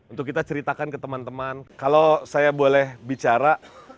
untuk kita ceritakan ke teman teman kalau saya boleh bicara